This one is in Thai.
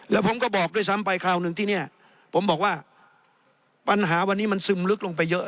แล้วผมก็บอกด้วยซ้ำไปคราวหนึ่งที่เนี่ยผมบอกว่าปัญหาวันนี้มันซึมลึกลงไปเยอะ